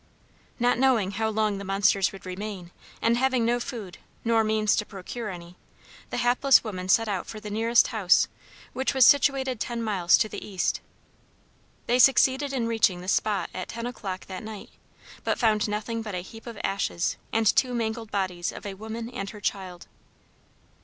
Not knowing how long the monsters would remain, and having no food nor means to procure any, the hapless women set out for the nearest house, which was situated ten miles to the east. They succeeded in reaching the spot at ten o'clock that night, but found nothing but a heap of ashes and two mangled bodies of a woman and her child.